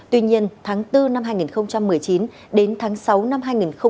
tuy nhiên tháng bốn năm hai nghìn một mươi chín đến tháng sáu năm hai nghìn hai mươi